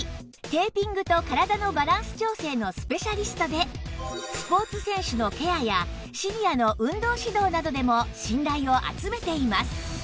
テーピングと体のバランス調整のスペシャリストでスポーツ選手のケアやシニアの運動指導などでも信頼を集めています